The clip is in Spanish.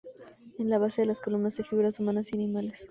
En la base de las columnas, hay figuras humanas y animales.